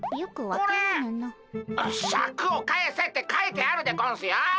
シャクを返せって書いてあるでゴンスよ！